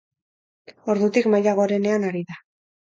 Ordutik maila gorenean ari da.